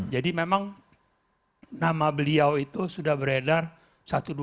jadi memang nama beliau itu sudah beredar satu dua tahun terakhirlah